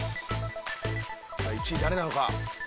１位誰なのか。